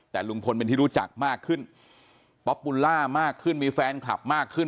แต่ลุงพลเป็นที่รู้จักมากขึ้นป๊อปบูลล่ามากขึ้นมีแฟนคลับมากขึ้น